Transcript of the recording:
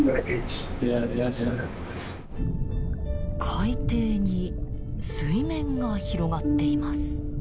海底に水面が広がっています。